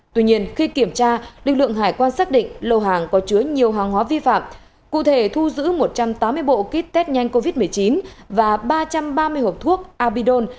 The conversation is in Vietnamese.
tuy nhiên khi kiểm tra lực lượng hải quan xác định lô hàng có chứa nhiều hàng hóa vi phạm cụ thể thu giữ một trăm tám mươi bộ kit test nhanh covid một mươi chín và ba trăm ba mươi hộp thuốc abidone